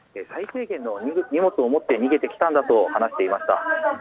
最低限の荷物を持って逃げてきたんだと話していました。